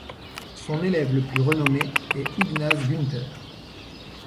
Son élève le plus renommé est Ignaz Günther.